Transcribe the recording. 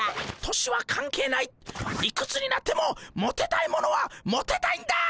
年は関係ないいくつになってもモテたいものはモテたいんだ！